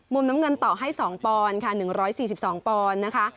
มุมน้ำเงินต่อให้๒ปอนด์ค่ะ๑๔๒ปอนด์นะคะ